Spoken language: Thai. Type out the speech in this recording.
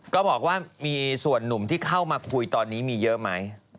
ก็บอกว่ามีส่วนหนุ่มที่เข้ามาคุยตอนนี้มีเยอะไหม